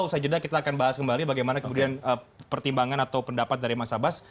usai jeda kita akan bahas kembali bagaimana kemudian pertimbangan atau pendapat dari mas abbas